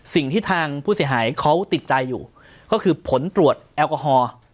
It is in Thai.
สิ่งที่ทางผู้เสียหายเขาติดใจอยู่ก็คือผลตรวจแอลกอฮอล์